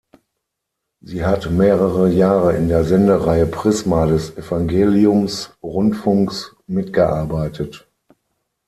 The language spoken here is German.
Sie hat mehrere Jahre in der Sendereihe "Prisma" des Evangeliums-Rundfunks mitgearbeitet.